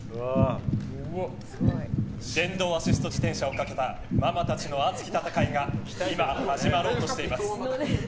電動アシスト自転車をかけたママたちの熱き戦いが今、始まろうとしています。